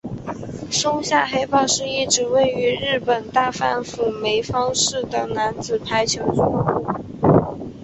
松下黑豹是一支位于日本大阪府枚方市的男子排球俱乐部。